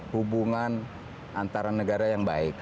hubungan antara negara yang baik